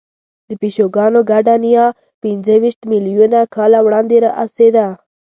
د پیشوګانو ګډه نیا پنځهویشت میلیونه کاله وړاندې اوسېده.